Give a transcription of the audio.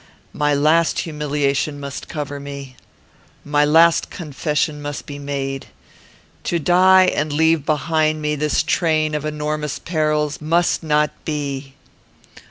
My last humiliation must cover me. My last confession must be made. To die, and leave behind me this train of enormous perils, must not be.